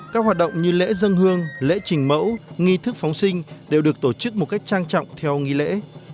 các hoạt động như lễ dân hương lễ trình mẫu nghi thức phóng sinh đều được tổ chức một cách trang trọng theo nghi lễ